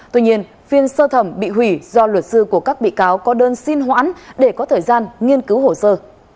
tuy nhiên phiên sơ thẩm bị hủy do luật sư của các bị cáo có đơn xin hoãn để có thời gian nghiên cứu hồ sơ